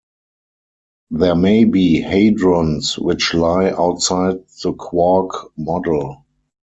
There may be hadrons which lie outside the quark model.